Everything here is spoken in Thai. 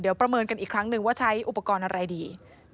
เดี๋ยวประเมินกันอีกครั้งนึงว่าใช้อุปกรณ์อะไรดี